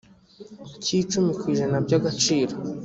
cy’icumi ku ijana by’agaciro